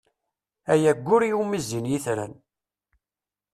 Ay aggur iwumi zzin yetran!